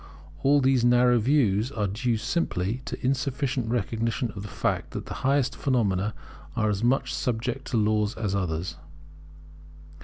All these narrow views are due simply to insufficient recognition of the fact, that the highest phenomena are as much subject to laws as others.